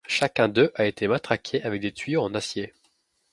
Chacun d'eux a été matraqué avec des tuyaux en acier.